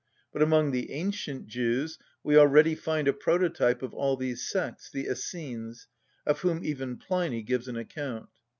But among the ancient Jews we already find a prototype of all these sects, the Essenes, of whom even Pliny gives an account (_Hist. Nat.